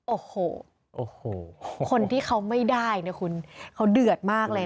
โอ้โหคนที่เขาไม่ได้เนี่ยคุณเขาเดือดมากเลยนะ